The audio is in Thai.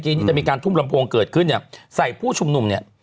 เมื่อกี้จะมีการถุ่มลำโพงเกิดขึ้นใส่ผู้ชุมนุม